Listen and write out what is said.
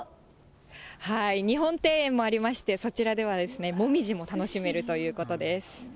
日本庭園もありまして、そちらではモミジも楽しめるということです。